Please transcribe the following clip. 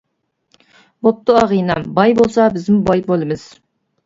بوپتۇ ئاغىنەم باي بولسا بىزمۇ باي بولىمىز.